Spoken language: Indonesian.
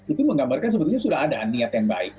itu menggambarkan sebetulnya sudah ada niat yang baik